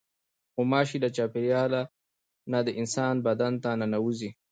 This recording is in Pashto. غوماشې له چاپېریاله نه د انسان بدن ته ننوځي.